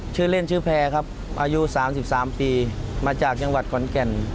ชื่อเล่นชื่อแพรครับอายุ๓๓ปีมาจากจังหวัดขอนแก่น